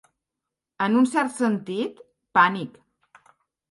En un cert sentit, pànic.